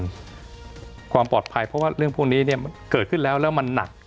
ความปลอดภัยเพราะว่าเรื่องพวกนี้มันเกิดขึ้นแล้วแล้วมันหนัก